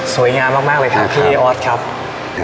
สวยงามมากเลยครับพี่